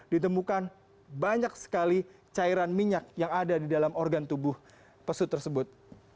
ditemukan banyak sekali cairan minyak yang ada di dalam organ tubuh pesut tersebut